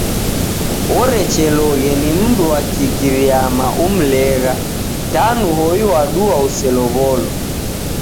Orecheloghe ni mndu wa Kigiriyama umlegha. Danu hoyu wadua uselow'olo.